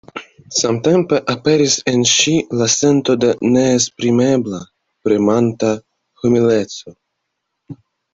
Samtempe aperis en ŝi la sento de neesprimebla premanta humileco.